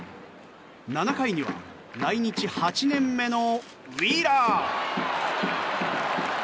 ７回には来日８年目のウィーラー。